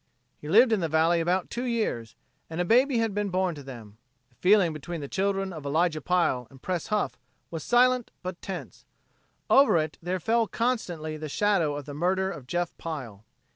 He lived in the valley about two years, and a baby had been born to them. The feeling between the children of Elijah Pile and Pres Huff was silent but tense; over it there fell constantly the shadow of the murder of Jeff Pile.